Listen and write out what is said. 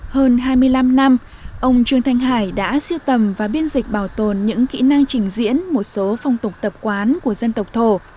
hơn hai mươi năm năm ông trương thanh hải đã siêu tầm và biên dịch bảo tồn những kỹ năng trình diễn một số phong tục tập quán của dân tộc thổ